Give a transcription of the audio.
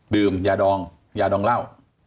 ดื่มยาดองยาดองเหล้า